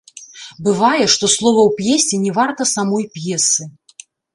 Бывае, што слова ў п'есе не варта самой п'есы.